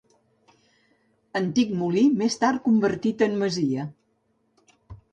Antic molí, més tard convertit en masia.